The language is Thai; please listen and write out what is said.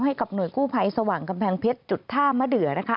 ให้กับหน่วยกู้ภัยสว่างกำแพงเพชรจุดท่ามะเดือนะคะ